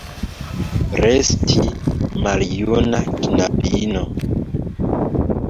Resti maljuna knabino.